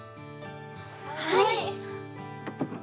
はい。